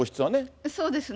そうですね。